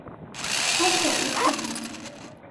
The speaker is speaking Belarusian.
А што ў ліцвінаў?